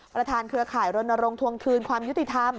ประธานเครือข่ายโรนโรงทวงคืนความยุติธรรม